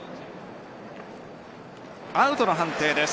アウトの判定です。